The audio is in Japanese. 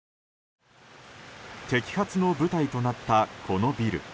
摘発の舞台となったこのビル。